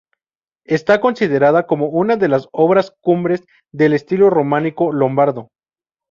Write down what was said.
Está considerada como una de las obras cumbres del estilo románico lombardo.